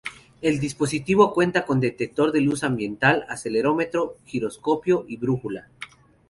El dispositivo cuenta con detector de luz ambiental, acelerómetro, giroscopio y brújula.